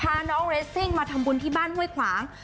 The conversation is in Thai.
พาน้องเรสซิ่งมาทำบุญที่บ้านห้วยขวาง